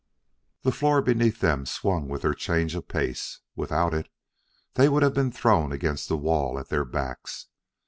The floor beneath them swung with their change of pace. Without it, they would have been thrown against the wall at their backs.